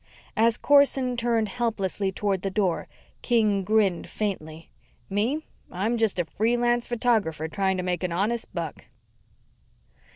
As Corson turned helplessly toward the door, King grinned faintly. "Me, I'm just a free lance photographer trying to make an honest buck."